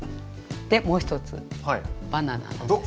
でもう一つバナナなんですけど。